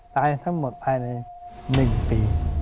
ตายทั้งหมดภายใน๑ปี